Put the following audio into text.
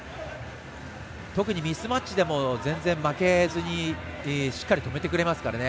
特にミスマッチでも全然負けずにしっかり止めてくれますからね。